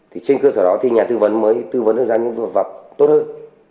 thì trên cơ sở đó thì nhà tư vấn mới tư vấn ra những vật vật tốt hơn